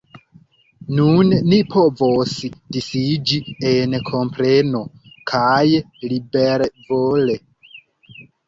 Nun ni povos disiĝi en kompreno — kaj libervole.